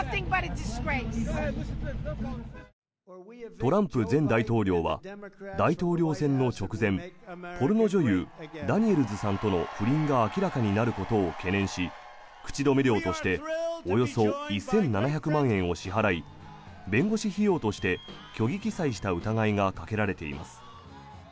トランプ前大統領は大統領選の直前ポルノ女優ダニエルズさんとの不倫が明らかになることを懸念し口止め料としておよそ１７００万円を支払い弁護士費用として虚偽記載した疑いがかけられています。